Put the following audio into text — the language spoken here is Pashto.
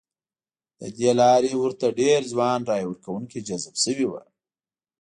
ه دې لارې ورته ډېر ځوان رایه ورکوونکي جذب شوي وو.